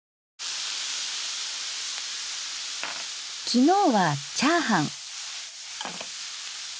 昨日はチャーハン。